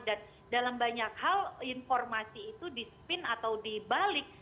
dan dalam banyak hal informasi itu di spin atau dibalik